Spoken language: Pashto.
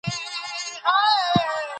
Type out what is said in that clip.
جواهرات د افغانستان د طبیعت د ښکلا برخه ده.